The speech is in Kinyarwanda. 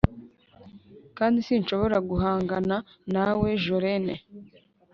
kandi sinshobora guhangana nawe, jolene